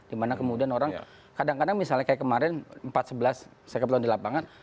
dimana kemudian orang kadang kadang misalnya kayak kemarin empat sebelas saya kebetulan di lapangan